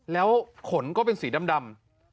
แล้วขนก็เป็นสีดำ